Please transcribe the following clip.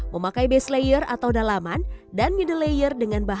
memakai base layer atau dalaman dan middle layer dengan bahaya